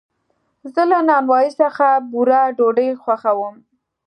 زه له نانوایي څخه بوره ډوډۍ خوښوم.